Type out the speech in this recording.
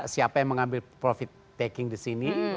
siapa yang mengambil profit taking di sini